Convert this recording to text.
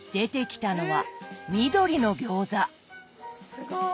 すごい！